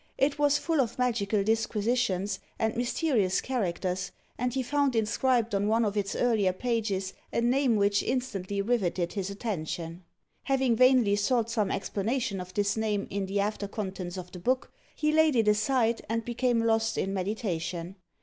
It was full of magical disquisitions and mysterious characters, and he found inscribed on one of its earlier pages a name which instantly riveted his attention. Having vainly sought some explanation of this name in the after contents of the book, he laid it aside, and became lost in meditation.